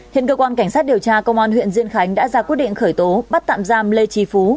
hiện cơ quan cảnh sát điều tra công an huyện diên khánh đã ra quyết định khởi tố bắt tạm giam lê trì phú